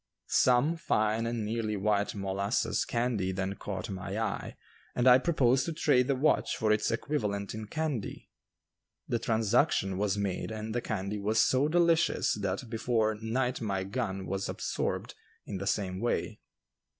Some fine and nearly white molasses candy then caught my eye, and I proposed to trade the watch for its equivalent in candy. The transaction was made and the candy was so delicious that before night my gun was absorbed in the same way.